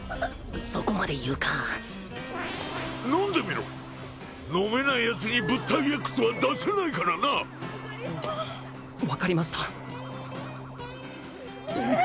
そこまで言うか飲んでみろ飲めないヤツに物体Ｘは出せないからな分かりました